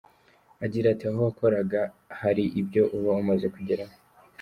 Agira ati “Aho wakoraga hari ibyo uba umaze kugeraho.